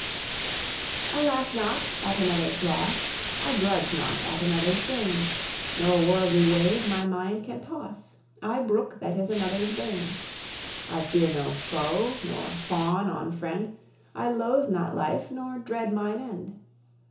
I laugh not at another's loss, I grudge not at another's gain; No worldly wave my mind can toss; I brook that is another's bane. I fear no foe, nor fawn on friend; I loathe not life, nor dread mine end.